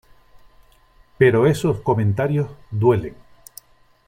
pero esos comentarios , duelen .